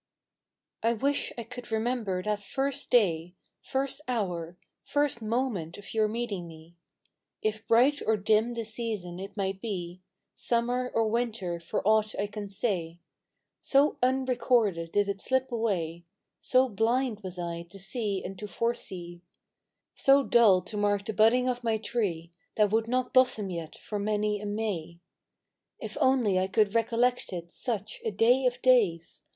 T WISH I could remember that first day, " L First hour, first moment of your meeting me; It bright or dim the season, it might be Summer or Winter for aught I can say; So unrecorded did it slip away, So blind was I to see and to foresee — So dull to mark the budding of my tree That would not blossom yet for many a May. If only I could recollect it, such A day of days